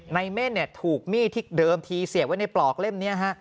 เม่นถูกมีดที่เดิมทีเสียบไว้ในปลอกเล่มนี้